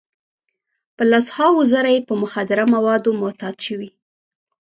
په لس هاوو زره یې په مخدره موادو معتاد شوي.